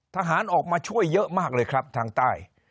ทหารออกมาช่วยเยอะมากเลยครับทางใต้